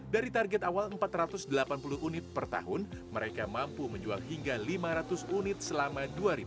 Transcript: dari target awal empat ratus delapan puluh unit per tahun mereka mampu menjual hingga lima ratus unit selama dua ribu dua puluh